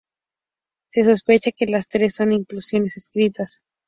Se sospecha que las tres son inclusiones estrictas.